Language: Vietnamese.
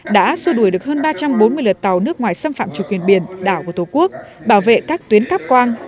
đã xua đuổi được hơn ba trăm bốn mươi lượt tàu nước ngoài xâm phạm chủ quyền biển đảo của tổ quốc bảo vệ các tuyến cắp quang